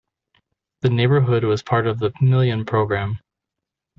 The neighbourhood was part of the Million Programme.